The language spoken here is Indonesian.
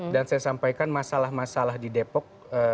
dan saya sampaikan masalah masalah di depok